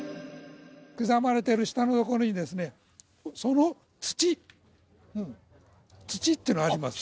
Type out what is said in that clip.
刻まれてる下のところにですねその土土っていうのあります